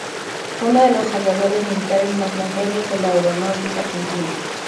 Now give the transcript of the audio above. Fue uno de los aviadores militares más longevos de la aeronáutica argentina.